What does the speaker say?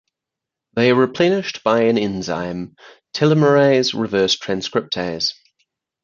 They are replenished by an enzyme, telomerase reverse transcriptase.